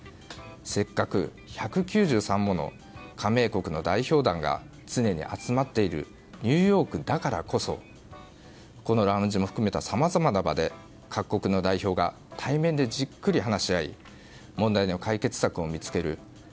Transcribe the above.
せっかく１９３もの加盟国の代表団が常に集まっているニューヨークだからこそこのラウンジも含めたさまざまな場で各国の代表が対面でじっくり話し合い問題の解決策を見つける。